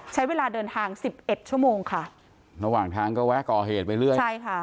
ใช้เวลาเดินทางสิบเอ็ดชั่วโมงค่ะระหว่างทางก็แวะก่อเหตุไปเรื่อยใช่ค่ะ